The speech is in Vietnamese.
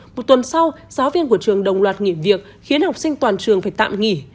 một tuần sau giáo viên của trường đồng loạt nghỉ việc khiến học sinh toàn trường phải tạm nghỉ